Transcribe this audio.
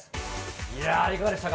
いやー、いかがでしたか？